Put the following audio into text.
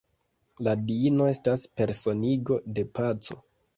La diino estas personigo de paco.